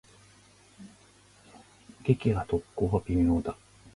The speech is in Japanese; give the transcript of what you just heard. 撃破特攻は微妙だ。